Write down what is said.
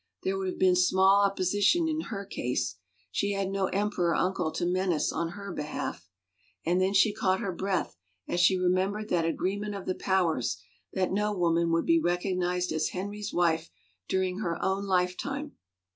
There would have been small opposition in her case; she had no emperor uncle to menace on her be half. ... And then she caught her breath as she re membered that agreement of the powers, that no woman would be recognized as Henry's wife during her own lifetime.